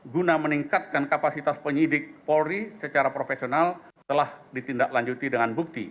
guna meningkatkan kapasitas penyidik polri secara profesional telah ditindaklanjuti dengan bukti